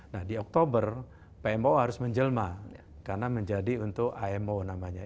nah di oktober pmo harus menjelma karena menjadi untuk imo namanya